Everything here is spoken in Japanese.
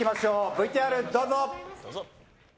ＶＴＲ、どうぞ。